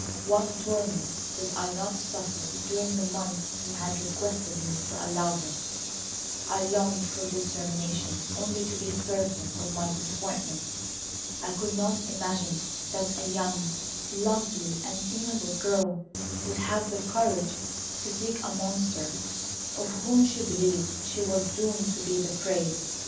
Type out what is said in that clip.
What torment did I not suffer during the month he had requested me to allow him. I longed for its termination only to be certain of my disappointment. I could not imagine that a young, lovely, and amiable girl would have the courage to seek a monster, of whom she believed she was doomed to be the prey.